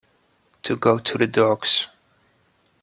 To go to the dogs